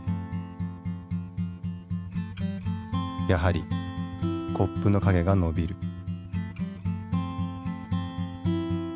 やはりコップの影が伸びる。